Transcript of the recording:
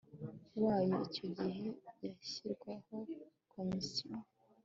wayo Icyo gihe hashyirwaho komisiyo